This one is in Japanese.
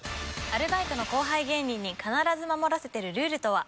アルバイトの後輩芸人に必ず守らせてるルールとは？